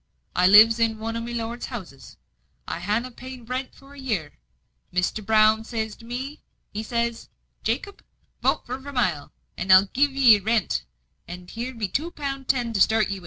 I lives in one o' my lord's houses. I hanna paid no rent for a year. Mr. Brown zays to me, he zays 'Jacob, vote for Vermilye, and I'll forgive 'ee the rent, and here be two pound ten to start again wi'.